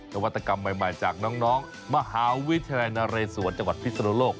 นวัตกรรมใหม่จากน้องมหาวิทยาลัยนเรศวรจังหวัดพิศนุโลก